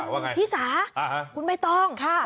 ว่าไงชิสาคุณไม่ต้องค่ะ